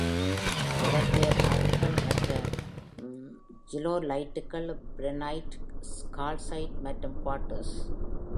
தொடர்புடைய தாதுக்கள் மற்ற ஜியோலைட்டுகள், ப்ரெஹ்னைட், கால்சைட் மற்றும் குவார்ட்ஸ்.